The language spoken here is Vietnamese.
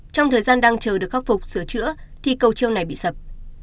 trong thời gian đang chờ được khắc phục sửa chữa thì cầu trương này bị sập